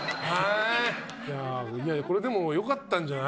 これでもよかったんじゃない。